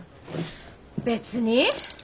別に。